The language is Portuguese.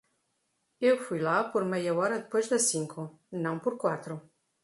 Eu fui lá por meia hora depois das cinco, não por quatro.